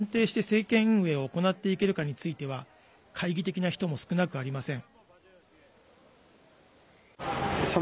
一方、右派勢力が安定して政権運営を行っていけるかについては懐疑的な人も少なくありません。